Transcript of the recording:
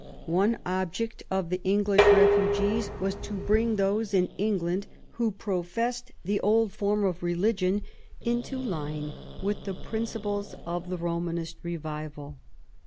One object of the English refugees was to bring those in England who professed the old form of religion into line with the principles of the Romanist revival.